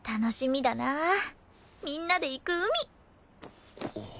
みんなで行く海！